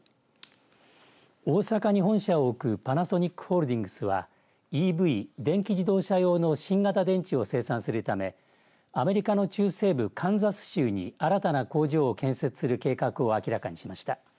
大阪に本社を置くパナソニックホールディングスはＥＶ電気自動車用の新型電池を生産するためアメリカの中西部カンザス州に新たな工場を建設する計画を明らかにしました。